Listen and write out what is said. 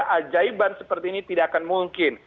keajaiban seperti ini tidak akan mungkin